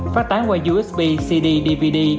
phát tán qua usb cd dvd